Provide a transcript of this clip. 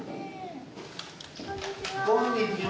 こんにちは。